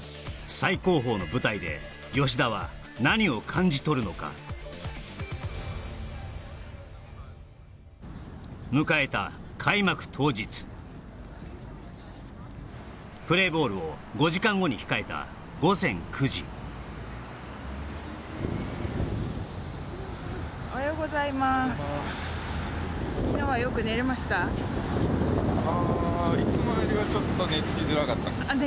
最高峰の舞台で吉田は何を感じ取るのか迎えた開幕当日プレーボールを５時間後に控えた午前９時おはようございますおはようございます寝付きづらかった